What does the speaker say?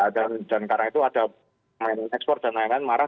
dan karena itu ada ekspor dan lain lain marah